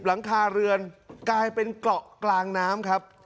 หลังคาเรือนกลายเป็นเกาะกลางน้ำครับ